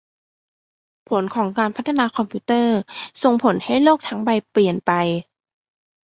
ผลของการพัฒนาคอมพิวเตอร์ ส่งผลให้โลกทั้งใบเปลี่ยนไป